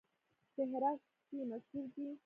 د هرات سپي مشهور دي